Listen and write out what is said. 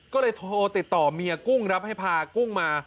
ก็เลยโทรติดต่อเมียกุ้งรับให้พากุ้งมา